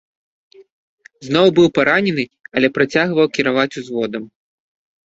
Зноў быў паранены, але працягваў кіраваць узводам.